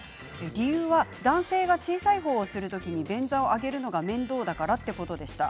理由は男性が小さい方をする時に便座を上げるのが面倒だからということでした。